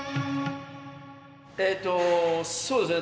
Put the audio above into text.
えとそうですね。